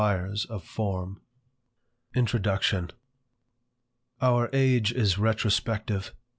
PROSPECTS 64 INTRODUCTION. OUR age is retrospective.